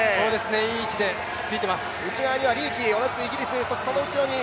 いい位置でついています。